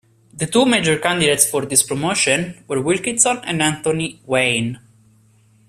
The two major candidates for this promotion were Wilkinson and Anthony Wayne.